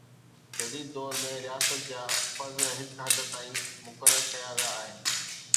جديد دور ۾ رياست جا فرض هڪ حد تائين مقرر ڪيا ويا آهن.